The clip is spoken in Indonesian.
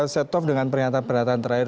setnov dengan pernyataan pernyataan terakhir